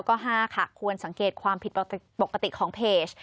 ๕ค่ะควรสังเกตความผิดปกติของเพจ